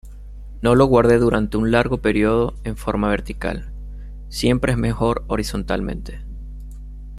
No lo guarde durante un largo período en forma vertical, siempre es mejor horizontalmente.